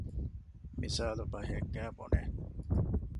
މިސާލުބަހެއްގައި ބުނެ